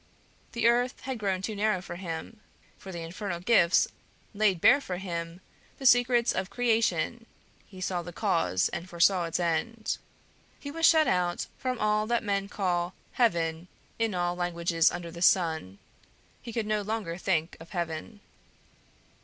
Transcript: The earth had grown too narrow for him, for the infernal gifts laid bare for him the secrets of creation he saw the cause and foresaw its end. He was shut out from all that men call "heaven" in all languages under the sun; he could no longer think of heaven.